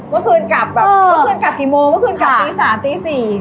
เมื่อคืนกลับกี่โมงเมื่อคืนกลับตี๓ตี๔